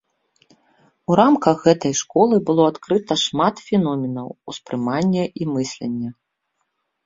У рамках гэтай школы было адкрыта шмат феноменаў ўспрымання і мыслення.